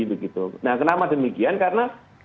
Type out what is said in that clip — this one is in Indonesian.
begitu nah kenapa demikian karena